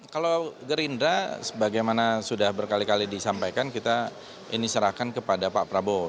kalau gerindra sebagaimana sudah berkali kali disampaikan kita ini serahkan kepada pak prabowo